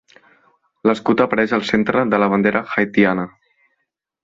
L'escut apareix al centre de la bandera haitiana.